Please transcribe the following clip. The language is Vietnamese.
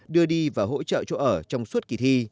đưa đi và hỗ trợ chỗ ở trong suốt kỳ thi